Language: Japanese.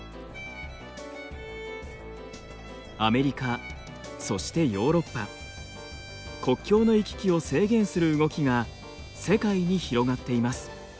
アメリカそしてヨーロッパ国境の行き来を制限する動きが世界に広がっています。